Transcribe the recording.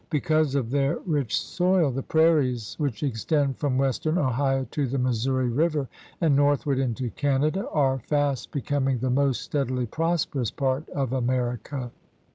Because of their rich soil the prairies which extend from western Ohio to the Missouri River and northward into Canada are fast becom ing the most steadily prosperous part of America.